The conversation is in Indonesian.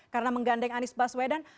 karena menggandeng anies baswedan